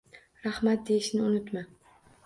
«Rahmat!» deyishni unutma